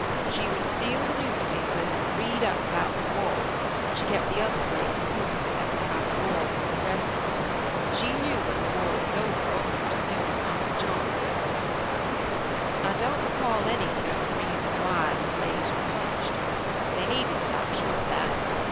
She would steal the newspapers and read up about the war, and she kept the other slaves posted as to how the war was progressing. She knew when the war was over, almost as soon as Marse John did. "I don't recall any certain reason why the slaves were punished; they needed it, I'm sure of that.